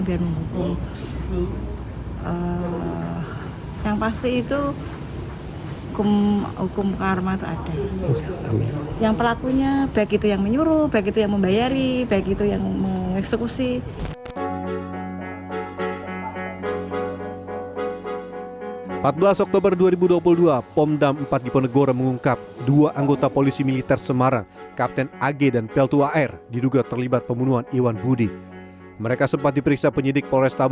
biar menghukum alam semesta yang pasti itu hukum karma itu ada